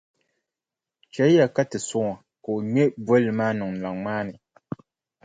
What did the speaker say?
Chɛliya ka ti sɔŋ o ka o ŋme bolli maa niŋ laŋ maa ni.